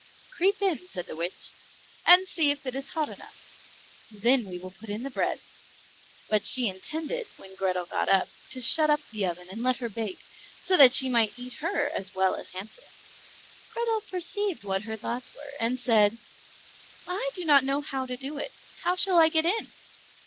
"Creep in," said the witch, "and see if it is hot enough, and then we will put in the bread"; but she intended when Grethel got in to shut up the oven and let her bake, so that she might eat her as well as Hansel. Grethel perceived what her thoughts were, and said, "I do not know how to do it; how shall I get in?"